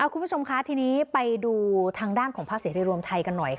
คุณผู้ชมคะทีนี้ไปดูทางด้านของภาคเสรีรวมไทยกันหน่อยค่ะ